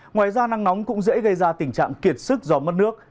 ngoài ra nắng nóng cũng dễ gây ra tình trạng kiệt sức do mất nước